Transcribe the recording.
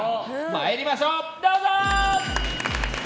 まいりましょう、どうぞ！